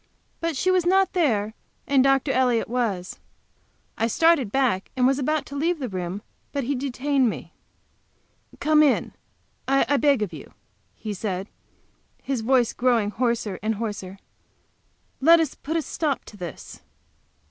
But she was not there, and Dr. Elliott was. I started back, and was about to leave the room, but he detained me. "Come in, I beg of you," he said, his voice grow mg hoarser and hoarser. "Let us put a stop to this."